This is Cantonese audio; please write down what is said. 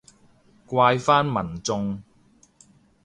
怪返民眾